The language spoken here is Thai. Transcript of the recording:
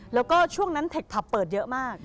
แล้วก็ช่วงนั้นเทคผับเปิดเยอะมาก